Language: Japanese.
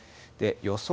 予想